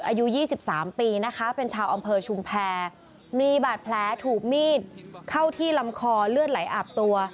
อายุ๒๓ปีนะคะเป็นชาวอำเภอชุมแพรมีบาดแผลถูกมีดเข้าที่ลำคอเลือดไหลอาบตัว